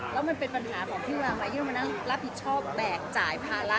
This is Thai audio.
แล้วมันเป็นปัญหาของพี่เวลามาเยิลมานั่งรับผิดชอบแบกจ่ายภาระ